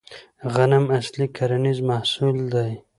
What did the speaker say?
غنم اصلي کرنیز محصول دی